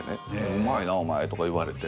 うまいなお前とか言われて。